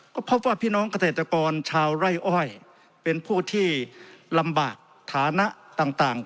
ก็พบว่าพี่น้องเกษตรกรชาวไร่อ้อยเป็นผู้ที่ลำบากฐานะต่าง